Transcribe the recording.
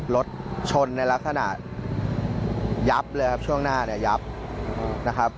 รถชนในลักษณะยับเลยครับช่วงหน้ายับ